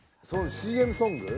ＣＭソング？